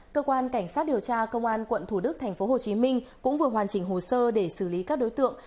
cơ quan cảnh sát điều tra công an quận thủ đức tp hcm cũng vừa hoàn chỉnh hồ sơ để xử lý các đối tượng